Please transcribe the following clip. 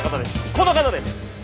この方です！